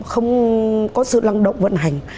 không có sự lăng động vận hành